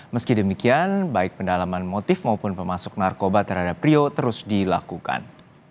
meski demikian baik pendalaman motif maupun pemasuk narkoba terhadap prio terus dilakukan